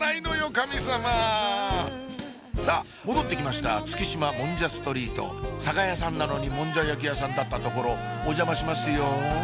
カミ様さぁ戻ってきました月島もんじゃストリート酒屋さんなのにもんじゃ焼き屋さんだった所お邪魔しますよ